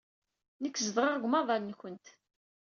Nekk zedɣeɣ deg umaḍal-nwent.